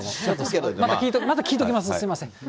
また聞いときます、すみません。